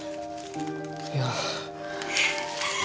いや。